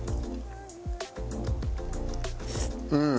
うん！